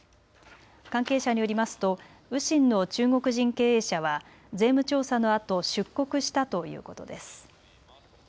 関係者によりますと雨辰の中国人経営者は税務調査のあと出国したということです。